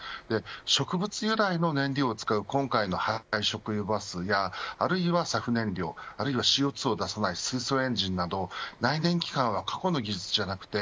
植物由来の燃料を使う今回の廃食油バスやあるいはＳＡＦ燃料あるいはＣＯ２を出さない水素エンジンなど内燃機関は過去の技術ではなくて